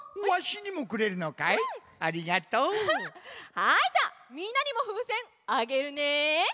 はいじゃあみんなにもふうせんあげるね。